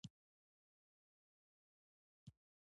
پکورې د پخلي له خوشبویو نه دي